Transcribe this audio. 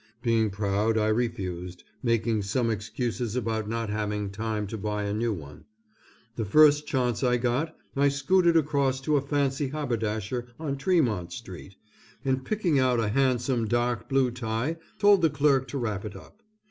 Being proud, I refused, making some excuses about not having time to buy a new one. The first chance I got, I scooted across to a fancy haberdasher on Tremont Street, and picking out a handsome dark blue tie told the clerk to wrap it up.